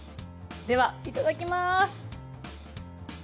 ではいただきます。